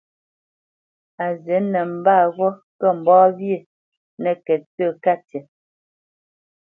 A zǐ nəmbât ghó kə mbá wyê nə́kət sə̂ ka tî.